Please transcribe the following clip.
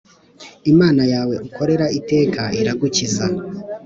Imana yawe ukorera iteka iragukiza